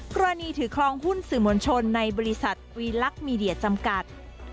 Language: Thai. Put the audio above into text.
ถือคลองหุ้นสื่อมวลชนในบริษัทวีลักษณ์มีเดียจำกัด